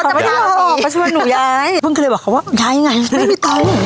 เขาจะลาออกไปช่วยหนูย้ายเพิ่งคือเลยบอกเขาว่าย้ายไงไม่มีตังค์